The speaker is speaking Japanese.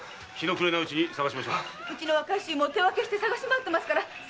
うちの若い衆も捜し回ってますから。